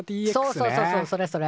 そうそうそうそうそれそれ。